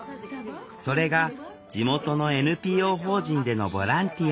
それが地元のＮＰＯ法人でのボランティア。